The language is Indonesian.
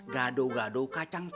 gaduh gaduh kacang catap